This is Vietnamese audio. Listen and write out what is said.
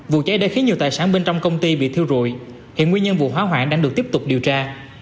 vụ cháy đã khiến nhiều tài sản bên trong công ty bị thiêu rụi hiện nguyên nhân vụ hỏa hoạn đang được tiếp tục điều tra